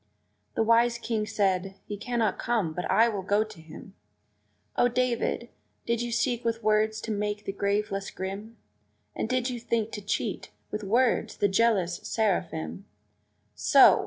The wise King said, "He cannot come but I will go to him!" O David! did you seek with words to make the grave less grim? And did you think to cheat, with words, the jealous seraphim? So!